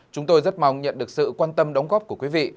chúng tôi rất mong nhận được sự quan tâm đóng góp của quý vị